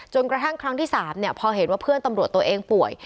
กระทั่งครั้งที่๓พอเห็นว่าเพื่อนตำรวจตัวเองป่วย